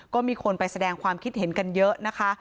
ก็มีคนไปแสดงความคิดเห็นกันเยอะนะคะ